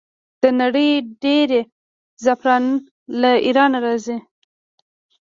د نړۍ ډیری زعفران له ایران راځي.